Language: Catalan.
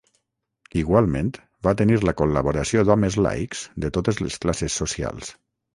Igualment, va tenir la col·laboració d'homes laics de totes les classes socials.